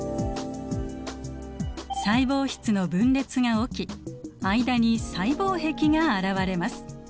細胞質の分裂が起き間に細胞壁が現れます。